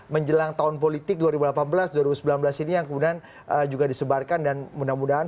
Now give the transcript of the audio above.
menjelang tahun politik dua ribu delapan belas dua ribu sembilan belas ini yang kemudian juga disebarkan dan mudah mudahan